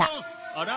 あら？